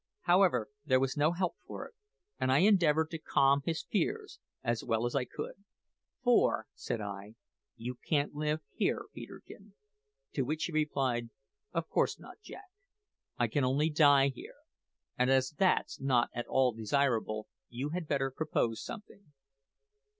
However, there was no help for it, and I endeavoured to calm his fears as well as I could; `for,' said I, `you can't live here, Peterkin,' to which he replied, `Of course not, Jack; I can only die here, and as that's not at all desirable, you had better propose something.'